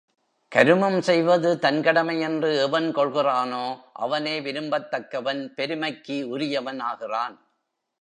கருமம் செய்வது தன் கடமை என்று எவன் கொள்கிறானோ அவனே விரும்பத் தக்கவன் பெருமைக்கு உரியவன் ஆகிறான்.